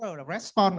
r là respond